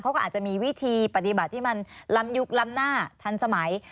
เขาก็อาจจะมีวิธีปฏิบัติที่มันล้ำยุคล้ำหน้าทันสมัย